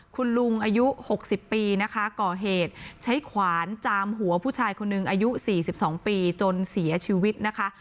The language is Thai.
คุณลุงอายุ๖๐ปีนะคะก่อเหตุใช้ขวานจามหัวผู้ชายคนหนึ่งอายุ๔๒ปีจนเสียชีวิตนะคะ